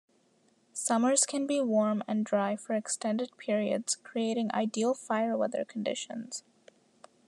Summers can be warm and dry for extended periods creating ideal fire weather conditions.